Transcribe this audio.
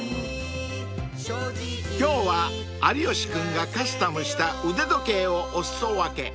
［今日は有吉君がカスタムした腕時計をお裾分け］